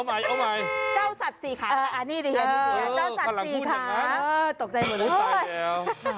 การพูดอย่างนั้น